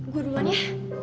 gua duluan ya